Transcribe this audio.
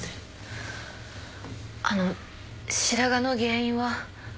あの白髪の原因は？